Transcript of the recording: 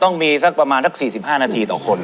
ต้องมีสักประมาณสัก๔๕นาทีต่อคน